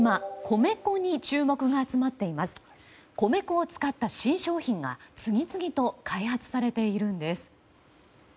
米粉を使った新商品が次々と開発されているんです。